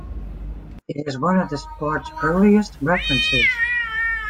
It is one of the sport's earliest references.